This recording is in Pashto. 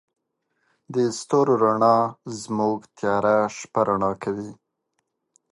د ستورو رڼا زموږ تیاره شپه رڼا کوي.